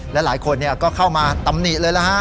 และหลายคนก็เข้ามาตำหนิเลยนะฮะ